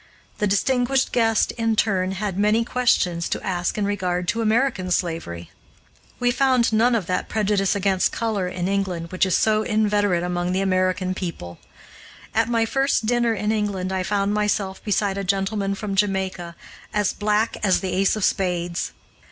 The distinguished guest in turn had many questions to ask in regard to American slavery. We found none of that prejudice against color in England which is so inveterate among the American people; at my first dinner in England I found myself beside a gentleman from Jamaica, as black as the ace of spades.